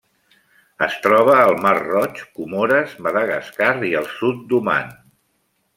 Es troba al Mar Roig, Comores, Madagascar i el sud d'Oman.